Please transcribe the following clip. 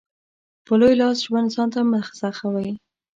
په لوی لاس ژوند ځانته مه سخوئ.